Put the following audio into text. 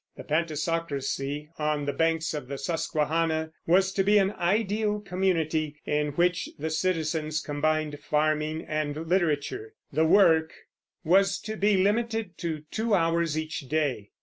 The Pantisocracy, on the banks of the Susquehanna, was to be an ideal community, in which the citizens combined farming and literature; and work was to be limited to two hours each day.